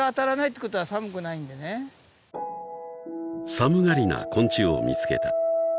［寒がりな昆虫を見つけた］